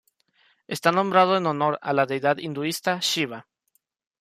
Está nombrado en honor a la deidad hinduista Shiva.